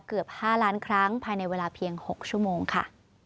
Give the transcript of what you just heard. เกือบ๕ล้านครั้งภายในเวลาเพียง๖ชั่วโมงค่ะ